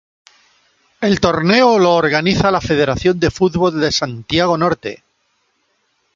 El torneo lo organiza la federación de fútbol de Santiago Norte.